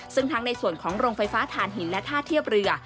ซึ่งทั้งในส่วนของโรงไฟฟ้าฐานหินและท่าเทียบเรือ